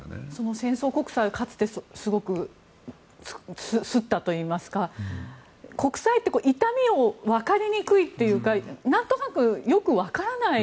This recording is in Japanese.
戦争国債はかつてすごく刷ったといいますか国債って痛みをわかりにくいというかなんとなくよくわからない。